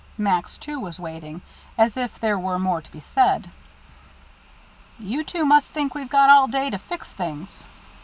Max, too, was waiting, as if there were more to be said. "You two must think we've got all day to fix things."